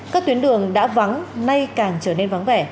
các tuyến đường đã vắng nay càng trở nên mất